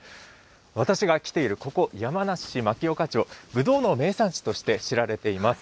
私が来ているここ、山梨市牧丘町、ぶどうの名産地として知られています。